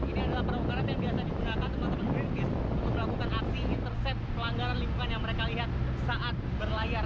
ini adalah perahu karet yang biasa digunakan teman teman brand case untuk melakukan aksi intercept pelanggaran lingkungan yang mereka lihat saat berlayar